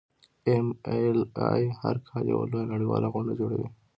ایم ایل اې هر کال یوه لویه نړیواله غونډه جوړوي.